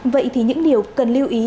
vậy thì những điều cần lưu ý